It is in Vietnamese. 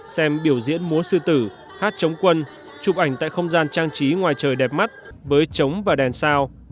xem biểu diễn múa sư tử hát chống quân chụp ảnh tại không gian trang trí ngoài trời đẹp mắt với chống và đèn sao